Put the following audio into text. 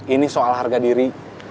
ini soal harga diri